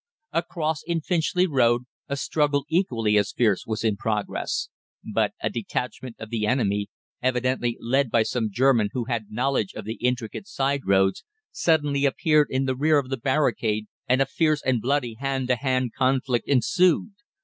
Across in the Finchley Road a struggle equally as fierce was in progress; but a detachment of the enemy, evidently led by some German who had knowledge of the intricate side roads, suddenly appeared in the rear of the barricade, and a fierce and bloody hand to hand conflict ensued.